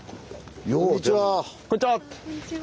こんにちは。